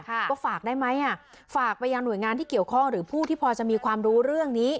ก็ฝากได้ไหมอ่ะฝากไปยังหน่วยงานที่เกี่ยวข้องหรือผู้ที่พอจะมีความรู้เรื่องนี้